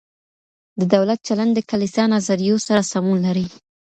د دولت چلند د کلیسا نظریو سره سمون لري.